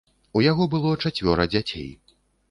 У яго было чацвёра дзяцей.